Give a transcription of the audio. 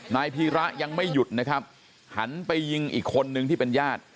นายพีระยังไม่หยุดนะครับหันไปยิงอีกคนนึงที่เป็นญาติ